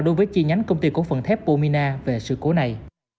đối với chi nhánh công ty cổ phần thép pomina về sự cố này